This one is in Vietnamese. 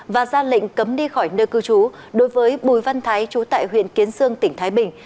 và ra lệnh cấm đi khỏi nơi cư trú đối với bùi văn thái trú tại huyện kiến sương tỉnh thái bình